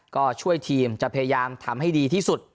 ก็ช่วยทีมจะพยายามทำให้ดีที่สุด